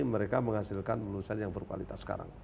mereka menghasilkan lulusan yang berkualitas sekarang